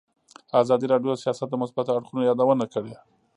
ازادي راډیو د سیاست د مثبتو اړخونو یادونه کړې.